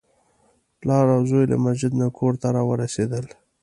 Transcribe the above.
پلار او زوی له مسجد نه کور ته راورسېدل.